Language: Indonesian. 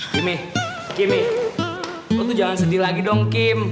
kimi kimi lo tuh jangan sedih lagi dong kim